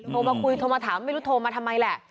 โทรมาคุยโทรมาถามไม่รู้โทรมาทำไมแหละ